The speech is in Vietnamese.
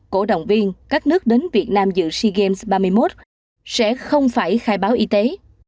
cổ động viên các nước đến việt nam dự sea games ba mươi một sẽ không phải khai báo y tế